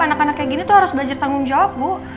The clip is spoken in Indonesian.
anak anak kayak gini tuh harus belajar tanggung jawab bu